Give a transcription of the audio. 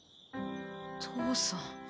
父さん。